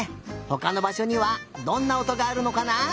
ほかのばしょにはどんなおとがあるのかな？